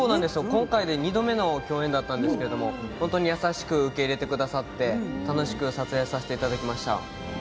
今回で２度目の共演なんですけれども優しく受け入れてくださって楽しく撮影させていただきました。